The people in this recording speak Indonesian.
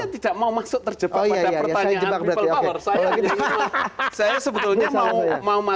karena saya sebenarnya tidak mau masuk terjebak pada pertanyaan people power